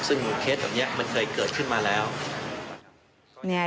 ซึ่งเคสแบบนี้มันเคยเกิดขึ้นมาแล้ว